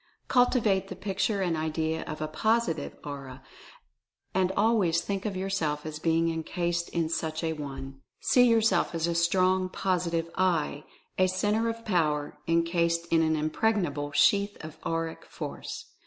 Cultivate the picture and idea of a Positive Concluding Instruction 249 Aura, and always think of yourself as being encased in such a one. See yourself as a strong Positive "I" a Centre of Power — encased in an Impregnable Sheath of Auric Force.